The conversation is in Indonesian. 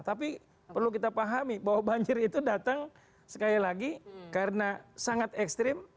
tapi perlu kita pahami bahwa banjir itu datang sekali lagi karena sangat ekstrim